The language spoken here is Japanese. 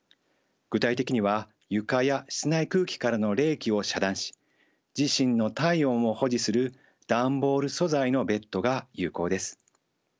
具体的には床や室内空気からの冷気を遮断し自身の体温を保持する段ボール素材のベッドが有効です。